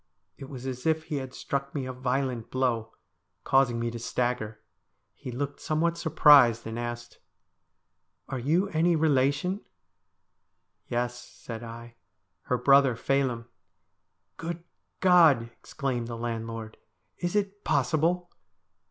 It was as if he had struck me a violent blow, causing me to stagger. He looked somewhat surprised, and asked :' Are you any relation ?'' Yes,' said I, ' her brother Phelim.' ' Good God ! exclaimed the landlord, ' is it possible